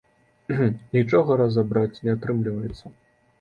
Нічога разабраць не атрымлівацца.